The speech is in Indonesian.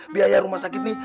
biaya rumah sakit nih